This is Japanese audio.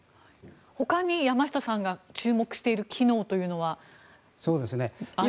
ほかに山下さんが注目している機能というのはありますでしょうか。